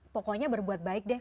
pokoknya berbuat baik deh